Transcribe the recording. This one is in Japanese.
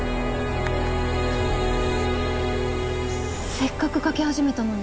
せっかく描き始めたのに。